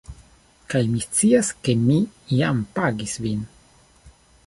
Kaj mi scias ke mi jam pagis vin